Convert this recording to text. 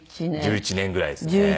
１１年ぐらいですね。